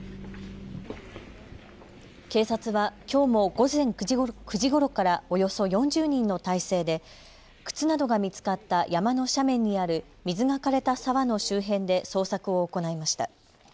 警察はきょうも午前９時ごろからおよそ４０人の態勢で靴などが見つかった山の斜面にある水がかれた沢の周辺で捜索を行いました。